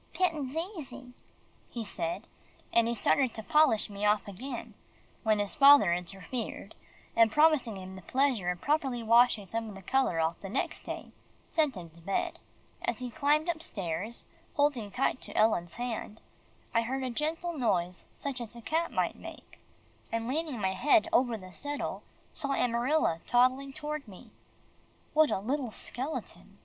"'Pittin's easy," he said, and he started to polish me off again, when his father interfered, and promising him the pleasure of properly washing some of the colour off the next day, sent him back to bed. As he climbed upstairs, holding tight to Ellen's hand, I heard a gentle noise such as a cat might make, and leaning my head over the settle, saw Amarilla toddling toward me. What a little skeleton!